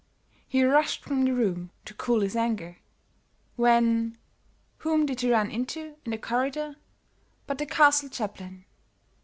He rushed from the room to cool his anger, when, whom did he run into, in the corridor, but the castle chaplain.